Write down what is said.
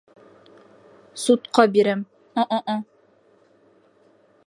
Судҡа бирәм, а-а-а...